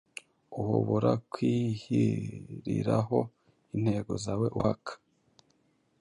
Uhobora kwihyiriraho intego zawe uhaka